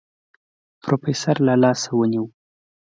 پروفيسر له لاسه ونيو.